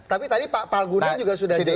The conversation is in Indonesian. tapi tadi pak palguna juga sudah jelas